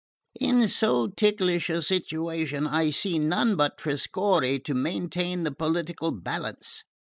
"In so ticklish a situation I see none but Trescorre to maintain the political balance.